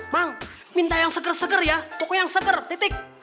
mang minta yang seger seger ya toko yang seger titik